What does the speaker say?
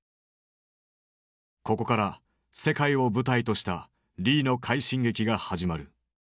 ここから世界を舞台としたリーの快進撃が始まる。